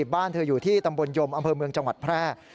บ้านเธออยู่ที่ตำบลยมอำเภอเมืองจังหวัดแพร่